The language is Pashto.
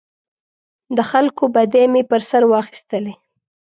د خلکو بدۍ مې پر سر واخیستلې.